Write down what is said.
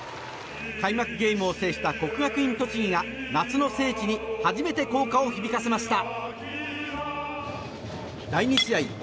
開幕ゲームを制した国学院栃木が夏の聖地に初めて校歌を響かせました。